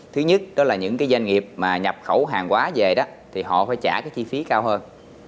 thứ nhất đó là những cái doanh nghiệp mà nhập khẩu hàng quá về đó thì họ phải trả cái chi phí cao hơn